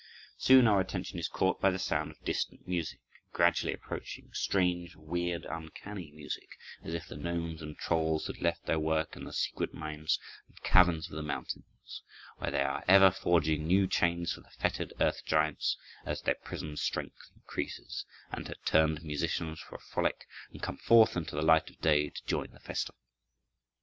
Soon our attention is caught by the sound of distant music, gradually approaching, strange, weird, uncanny music, as if the gnomes and trolls had left their work in the secret mines and caverns of the mountains, where they are ever forging new chains for the fettered earth giants as their prisoned strength increases, and had turned musicians for a frolic and come forth into the light of day to join the festival.